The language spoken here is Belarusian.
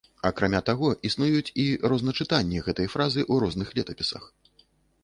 Акрамя таго, існуюць і розначытанні гэтай фразы ў розных летапісах.